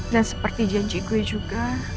dan seperti janji gue juga